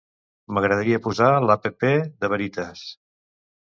M'agradaria posar l'app de Veritas.